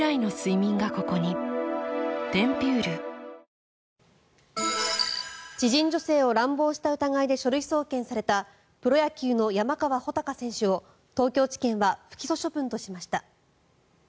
そして、１０月からは知人女性を乱暴した疑いで書類送検されたプロ野球の山川穂高選手を東京地検は不起訴処分としました。